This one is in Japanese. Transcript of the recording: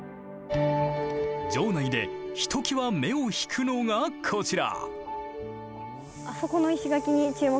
城内でひときわ目を引くのがこちら。